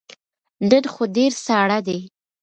نن خو ډیر ساړه دی